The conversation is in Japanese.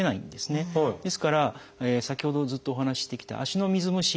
ですから先ほどずっとお話ししてきた足の水虫